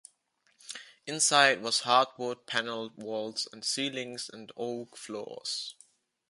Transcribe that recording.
Inside was hardwood panelled walls and ceilings and oak floors.